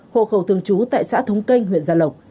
hộ khẩu thường trú tại xã thống canh huyện gia lộc